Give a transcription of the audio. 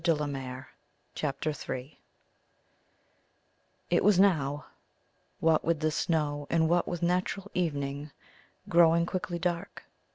CHAPTER III It was now, what with the snow and what with natural evening, growing quickly dark.